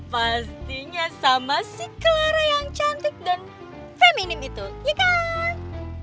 pastinya sama si clara yang cantik dan feminim itu ya kan